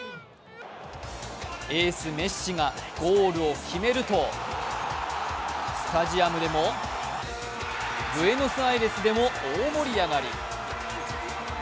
エース・メッシがゴールを決めるとスタジアムでも、ブエノスアイレスでも大盛り上がり。